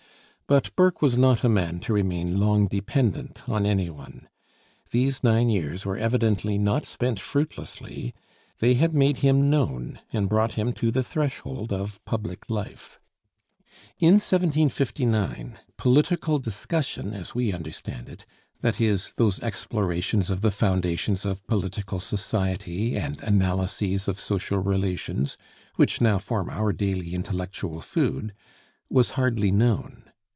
But Burke was not a man to remain long dependent on any one. These nine years were evidently not spent fruitlessly. They had made him known and brought him to the threshold of public life. In 1759, political discussion as we understand it that is, those explorations of the foundations of political society and analyses of social relations which now form our daily intellectual food was hardly known.